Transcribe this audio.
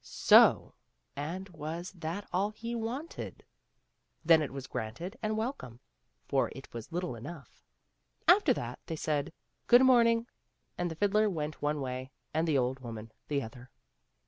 So ! and was that all that he wanted ? Then it was granted and welcome, for it was little enough. After that they said, " Good morning," and the fiddler went one way and the old woman the other.